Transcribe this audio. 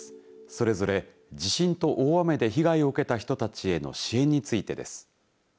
それぞれ地震と大雨で被害を受けた人たちへの支援についてです。